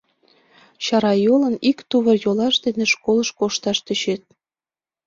Чарайолын, ик тувыр-йолаш дене школыш кошташ тӧчет.